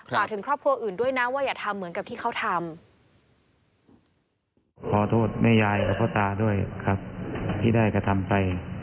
กลับถึงครอบครัวอื่นด้วยนะว่าอย่าทำเหมือนกับที่เค้าทำ